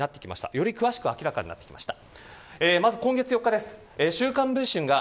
より詳しく明らかになってきました。